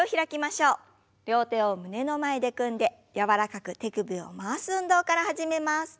両手を胸の前で組んで柔らかく手首を回す運動から始めます。